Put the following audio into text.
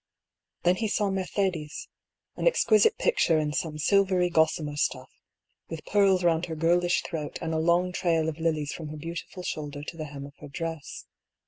Then he saw Mercedes, an exquisite picture in some silvery gossamer stuflf, with pearls round her girlish throat and a long trail of lilies from her beautiful shoulder to the hem of her dress.